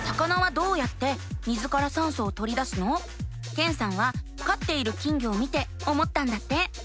けんさんはかっている金魚を見て思ったんだって。